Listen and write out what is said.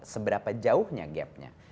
seberapa jauhnya gapnya